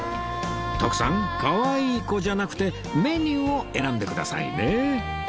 徳さんかわいい子じゃなくてメニューを選んでくださいね